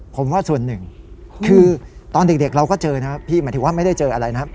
ผมว่าส่วนหนึ่งคือตอนเด็กเราก็เจอนะครับพี่หมายถึงว่าไม่ได้เจออะไรนะครับ